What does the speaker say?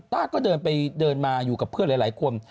ป้าก็เดินไปเดินมาอยู่กับเพื่อนหลายคน